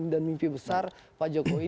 dan mimpi besar pak jokowi